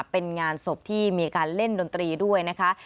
เป็นงานศพที่มีการเล่นดนตรีด้วยนะคะ